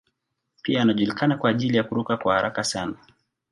Pia anajulikana kwa ajili ya kuruka kwa haraka sana.